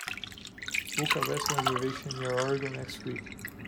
Book a restaurant reservation near Oregon next week